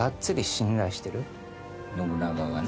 信長がね。